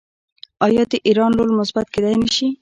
آیا د ایران رول مثبت کیدی نشي؟